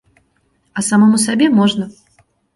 А самому сабе можна.